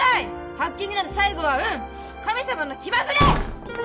ハッキングなんて最後は運神様の気まぐれ！